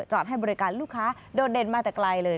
ให้บริการลูกค้าโดดเด่นมาแต่ไกลเลย